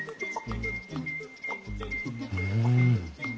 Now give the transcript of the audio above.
うん！